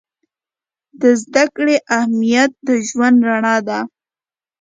د زده کړې اهمیت د ژوند رڼا ده.